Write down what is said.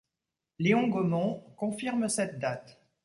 Léon Gaumont confirme cette date.